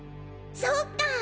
そっか！